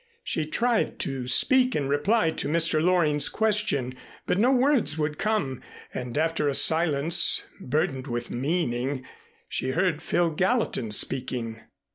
She tried to speak in reply to Mr. Loring's question, but no words would come and after a silence burdened with meaning she heard Phil Gallatin speaking.